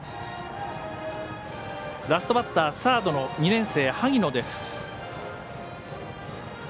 ラストバッターサードの２年生、萩野です。